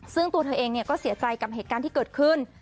ซึ่งตัวเธอเองก็เสียใจกับเหตุการณ์ที่เกิดขึ้น